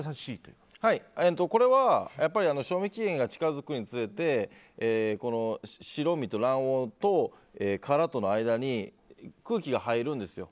これは賞味期限が近づくにつれて白身と卵黄と殻との間に空気が入るんですよ。